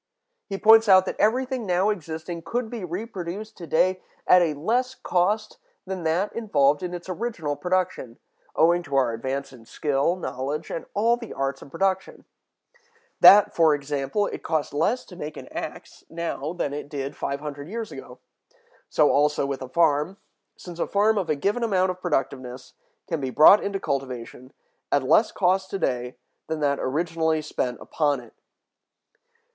He points out that everything now existing could be reproduced to day at a less cost than that involved in its original production, owing to our advance in skill, knowledge, and all the arts of production; that, for example, it costs less to make an axe now than it did five hundred years ago; so also with a farm, since a farm of a given amount of productiveness can be brought into cultivation at less cost to day than that originally spent upon it.